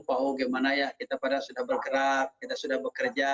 pak ho gimana ya kita pada sudah bergerak kita sudah bekerja